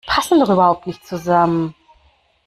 Die passen doch überhaupt nicht zusammen!